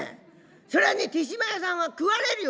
「そらね豊島屋さんは食われるよ」。